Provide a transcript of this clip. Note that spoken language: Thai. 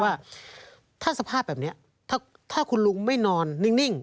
ว่าถ้าสภาพแบบนี้ถ้าคุณลุงไม่นอนนิ่ง